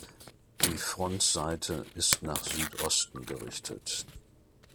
Die Frontseite ist nach Südosten gerichtet.